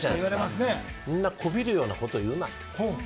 そんなこびるようなことを言うなって。